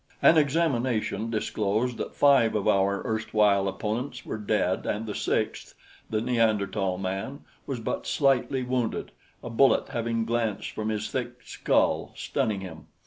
An examination disclosed that five of our erstwhile opponents were dead and the sixth, the Neanderthal man, was but slightly wounded, a bullet having glanced from his thick skull, stunning him.